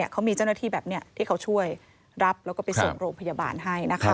เขามีเจ้าหน้าที่แบบนี้ที่เขาช่วยรับแล้วก็ไปส่งโรงพยาบาลให้นะคะ